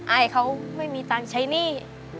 อายเขาไม่มีตังค์ใช้หนี้